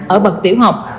ở bậc tiểu học